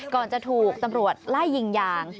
ก่อนจะถูกตำรวจไล่ยิงยาง